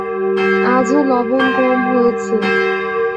আজও লবণ কম হয়েছে।